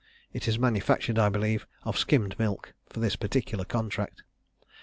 It is manufactured, I believe, of skimmed milk, for this particular contract.